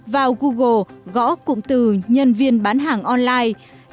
vào google gõ cụm từ nhân viên bán hàng online